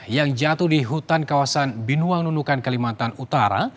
yang jatuh di hutan kawasan binuang nunukan kalimantan utara